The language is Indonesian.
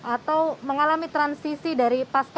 atau mengalami transisi dari pasca